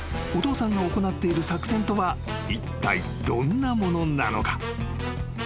［お父さんが行っている作戦とはいったいどんなものなのか？］